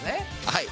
はい。